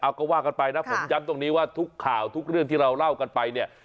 เอาก็ว่ากันไปนะผมย้ำตรงนี้ว่าทุกข่าวทุกเรื่องที่เราเล่ากันไปเนี่ย